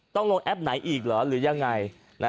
ต้องลงแอปไหนอีกเหรอหรือยังไง